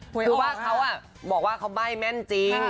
คือว่าเขาบอกว่าเขาใบ้แม่นจริง